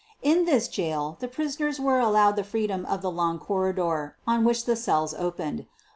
In this jail the prisoners were allowed the free dom of the long corridor on which the cells opened.